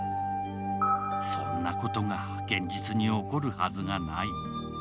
そんなことが現実に起こるはずがない。